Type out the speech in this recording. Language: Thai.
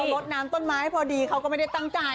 ลดน้ำต้นไม้พอดีเขาก็ไม่ได้ตั้งใจ